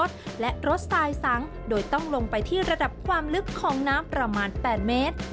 รถและรถทรายสังโดยต้องลงไปที่ระดับความลึกของน้ำประมาณ๘เมตร